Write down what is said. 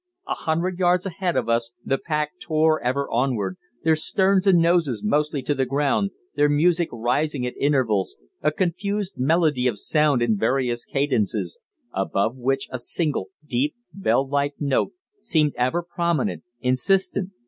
A hundred yards ahead of us the pack tore ever onward, their sterns and noses mostly to the ground, their music rising at intervals a confused medley of sound in various cadences, above which a single, deep, bell like note seemed ever prominent, insistent.